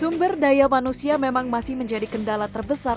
sumber daya manusia memang masih menjadi kendala terbesar